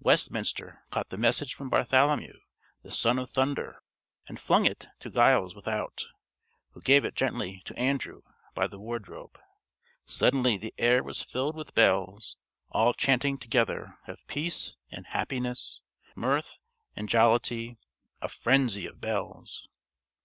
Westminster caught the message from Bartholomew the son of Thunder, and flung it to Giles Without, who gave it gently to Andrew by the Wardrobe. Suddenly the air was filled with bells, all chanting together of peace and happiness, mirth and jollity a frenzy of bells.